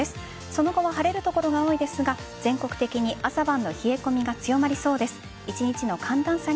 その後は晴れる所が多いですが全国的に朝晩の冷え込みが強まりそうです。